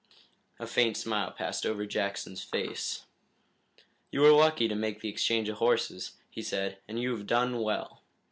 A faint smile passed over Jackson's face. "You were lucky to make the exchange of horses," he said, "and you have done well.